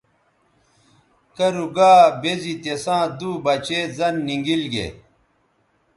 کرُو گا بے زی تِساں دُو بچے زَن نی گیل گے۔